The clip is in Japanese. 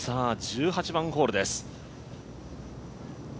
１８番ホールです。